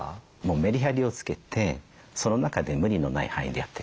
メリハリをつけてその中で無理のない範囲でやっていく。